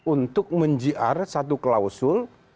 untuk menjiar satu klausul